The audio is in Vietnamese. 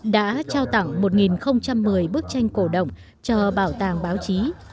đã trao tặng một một mươi bức tranh cổ động cho bảo tàng báo chí